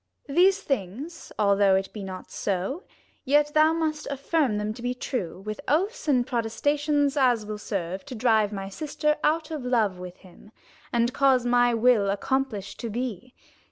92 These things (although it be not so) Yet thou must affirm them to be true, With oaths and protestations as will serve 9; To drive my sister out of love with him, And cause my will accomplished to be.